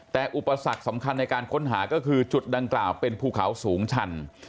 แต่อุปสรรคสำคัญในการค้นหาก็คือจุดดังกล่าวเป็นภูเขาสูงชัน